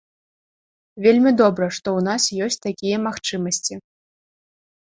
Вельмі добра, што ў нас ёсць такія магчымасці.